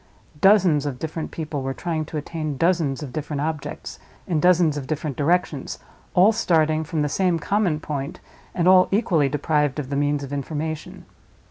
Dozens of different people were trying to attain dozens of different objects, in dozens of different directions, all starting from the same common point and all equally deprived of the means of information.